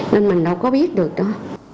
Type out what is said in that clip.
nên mình đâu có biết được đâu